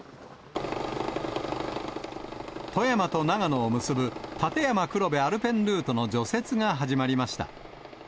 富山と長野を結ぶ立山黒部アルペンルートの除雪が始まりました。